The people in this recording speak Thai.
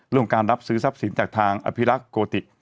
เรื่องการรับซื้อทรัพย์สินจากทางอภิรักษ์โกติ